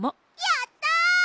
やったあ！